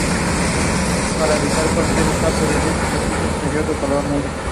Y además ha logrado algunos premios y nominaciones de gran prestigio.